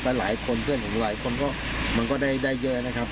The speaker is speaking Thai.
หลายคนเพื่อนผมหลายคนก็มันก็ได้เยอะนะครับ